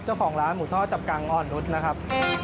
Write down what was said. เจ้าของร้านหมูทอดจับกังอ่อนนุษย์นะครับ